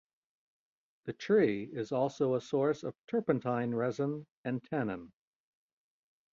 The tree is also a source of turpentine resin and tannin.